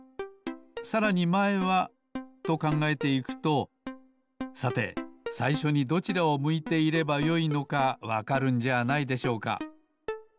さらにまえはと考えていくとさてさいしょにどちらを向いていればよいのかわかるんじゃないでしょうか。